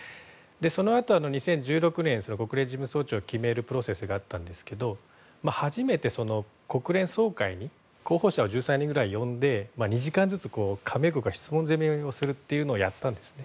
そのあと２０１６年に国連事務総長を決めるプロセスがあったんですが初めて国連総会に候補者を呼んで質問攻めをすることをやったんです。